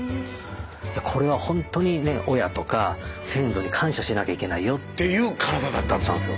「いやこれは本当にね親とか先祖に感謝しなきゃいけないよ」。っていう体だったんですか。